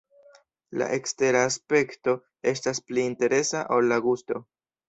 La ekstera aspekto estas pli interesa ol la gusto.